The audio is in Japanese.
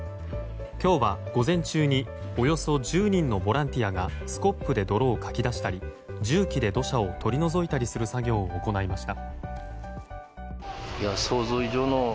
今日は午前中におよそ１０人のボランティアがスコップで泥をかき出したり重機で土砂を取り除いたりする作業を行いました。